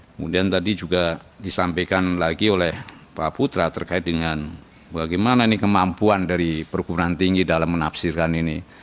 kemudian tadi juga disampaikan lagi oleh pak putra terkait dengan bagaimana ini kemampuan dari perguruan tinggi dalam menafsirkan ini